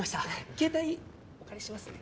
携帯お借りしますね。